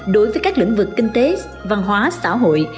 đối với các lĩnh vực kinh tế văn hóa xã hội